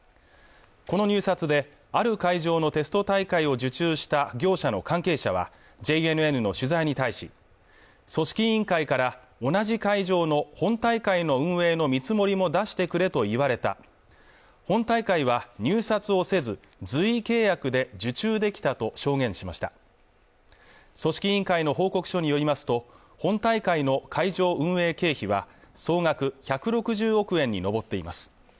この入札である会場のテスト大会を受注した業者の関係者はＪＮＮの取材に対し組織委員会から同じ会場の本大会の運営の見積もりも出してくれと言われた本大会は入札をせず随意契約で受注できたと証言しました組織委員会の報告書によりますと本大会の会場運営経費は総額１６０億円に上っています